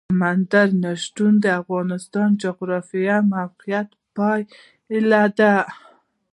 سمندر نه شتون د افغانستان د جغرافیایي موقیعت پایله ده.